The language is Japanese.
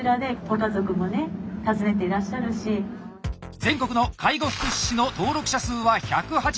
全国の介護福祉士の登録者数は１８０万人以上。